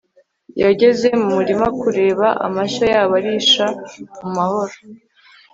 yageze mu murima kureba amashyo yabo arisha mu mahoro